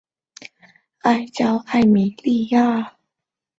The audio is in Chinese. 麦丝玛拉成立于雷焦艾米利亚。